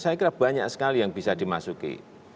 saya kira banyak sekali yang bisa dimasuki